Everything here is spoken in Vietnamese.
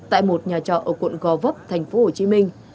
tại một nhà trọ ở quận gò vấp thành phố hồ chí minh